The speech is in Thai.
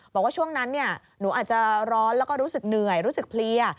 บอกว่าช่วงนั้นหนูอาจจะร้อนแล้วก็รู้สึกเหนื่อยรู้สึกเพลีย